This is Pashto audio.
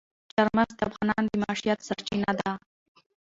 چار مغز د افغانانو د معیشت سرچینه ده.